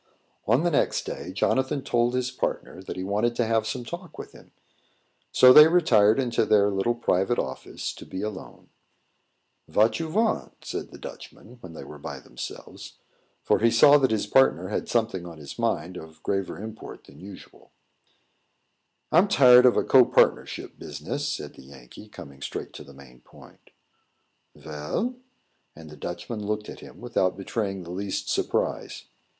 On the next day, Jonathan told his partner that he wanted to have some talk with him; so they retired into their little private office, to be alone. "Vat you want?" said the Dutchman, when they were by themselves; for he saw that his partner had something on his mind of graver import than usual. "I'm tired of a co partnership business," said the Yankee, coming straight to the main point. "Vell?" And the Dutchman looked at him without betraying the least surprise.